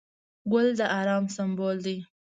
ګل د ارام سمبول دی.